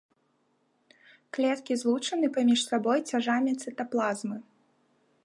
Клеткі злучаны паміж сабой цяжамі цытаплазмы.